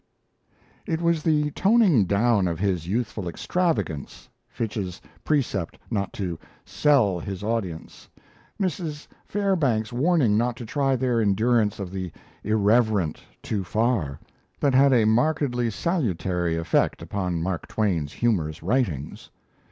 It was the toning down of his youthful extravagance Fitch's precept not to "sell" his audience, Mrs. Fairbanks' warning not to try their endurance of the irreverent too far that had a markedly salutary effect upon Mark Twain's humorous writings.